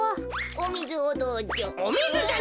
おみずをどうじょ。